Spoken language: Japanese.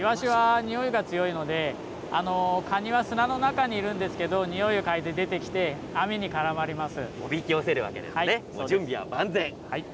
イワシはにおいが強いので、カニは砂の中にいるんですけど、においを嗅いで出てきて、網に絡まります。